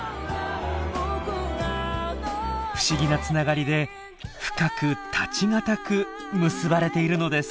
不思議なつながりで深く絶ち難く結ばれているのです。